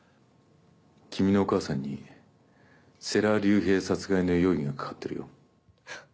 君のお母さんに世良隆平殺害の容疑がかかっているよ。